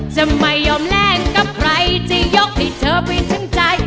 จะไม่ยอมแลกกับใครจะยกให้เธอไปถึงใจ